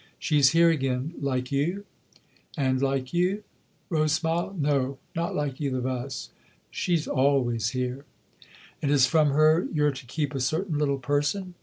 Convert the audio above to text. " She's here again like you ?"" And like you ?" Rose smiled. " No, not like either of us. She's always here." " And it's from her you're to keep a certain little person